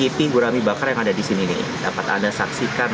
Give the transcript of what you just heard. kopi gurami bakar yang ada di sini nih dapat anda saksikan